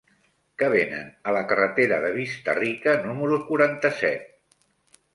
Què venen a la carretera de Vista-rica número quaranta-set?